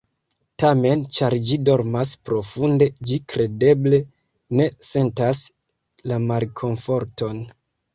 Tamen, ĉar ĝi dormas profunde, ĝi kredeble ne sentas la malkomforton.